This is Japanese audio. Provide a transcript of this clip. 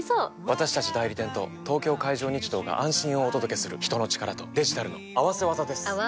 私たち代理店と東京海上日動が安心をお届けする人の力とデジタルの合わせ技です！